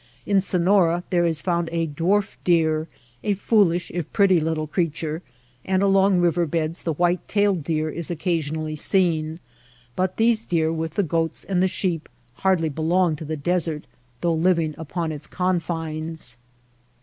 In Sonora there is found a dwarf deer — a foolish if pretty little creature — and along river beds the white tailed deer is occasionally seen ; but these deer with the goats and the sheep hardly belong to the desert, though living upon its confines.